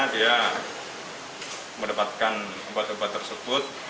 dia mendapatkan obat obat tersebut